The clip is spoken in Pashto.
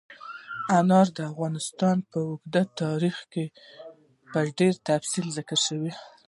انار د افغانستان په اوږده تاریخ کې په ډېر تفصیل ذکر شوي.